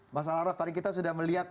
mas alaroh tadi kita sudah melihat